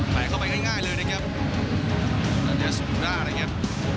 แปลเข้าไปง่ายง่ายเลยนะครับแล้วเดี๋ยวสูงด้านนะครับ